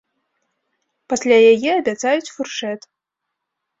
Пасля яе абяцаюць фуршэт.